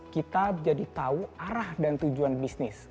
kita jadi tahu arah dan tujuan bisnis